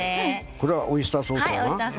これはオイスターソースかな。